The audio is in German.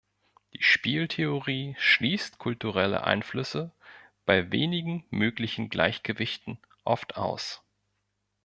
Die Spieltheorie schließt kulturelle Einflüsse, bei wenigen möglichen Gleichgewichten, oft aus.